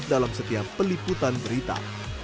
dalam setiap peliputan berita